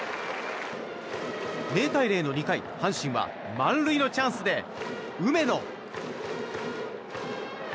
０対０の２回阪神は満塁のチャンスで梅野。